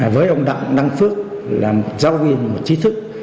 với ông đảng đăng phước là giáo viên một trí thức